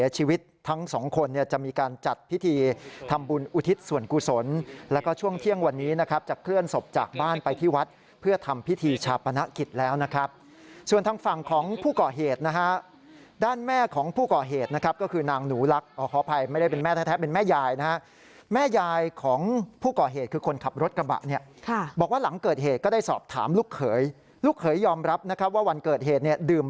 จะเคลื่อนศพจากบ้านไปที่วัดเพื่อทำพิธีชาปนักกิจแล้วนะครับส่วนทางฝั่งของผู้เกาะเหตุนะฮะด้านแม่ของผู้เกาะเหตุนะครับก็คือนางหนูรักขออภัยไม่ได้เป็นแม่แท้เป็นแม่ยายนะฮะแม่ยายของผู้เกาะเหตุคือคนขับรถกระบะเนี่ยบอกว่าหลังเกิดเหตุก็ได้สอบถามลูกเขยลูกเขยยอมรับนะครับว่าวันเกิด